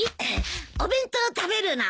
お弁当食べるの？